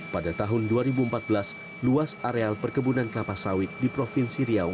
pada tahun dua ribu empat belas luas areal perkebunan kelapa sawit di provinsi riau